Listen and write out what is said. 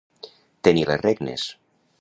Tenir les regnes.